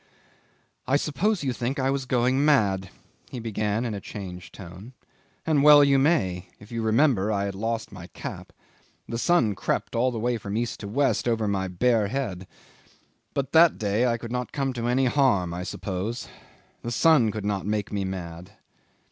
'"I suppose you think I was going mad," he began in a changed tone. "And well you may, if you remember I had lost my cap. The sun crept all the way from east to west over my bare head, but that day I could not come to any harm, I suppose. The sun could not make me mad.